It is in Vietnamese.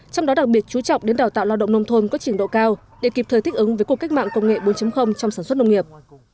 trong đó đặc biệt chú trọng đến đào tạo lao động nông thôn có trình độ cao để kịp thời thích ứng với cuộc cách mạng công nghệ bốn trong sản xuất nông nghiệp